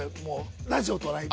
ラジオとライブで。